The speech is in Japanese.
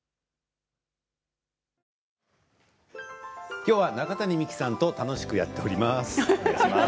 きょうは中谷美紀さんと楽しくやっております。